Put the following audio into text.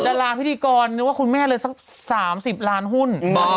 ดาราพิธีกรนึกว่าคุณแม่เลยสัก๓๐ล้านหุ้น